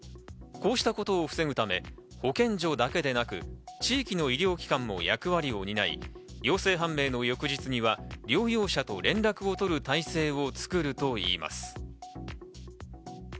こうしたことを防ぐため保健所だけでなく地域の医療機関も役割を担い、陽性判明の翌日には療養者と連絡を取る体制を作るといいます。